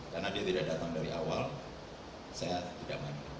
karena dia tidak datang dari awal saya tidak main